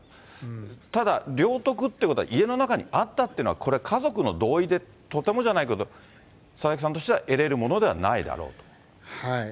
ただ領得ってことは家の中にあったっていうのは、これは家族の同意で、とてもじゃないけど、佐々木さんとして得れるものではないだろうと。